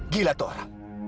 gila tuh orang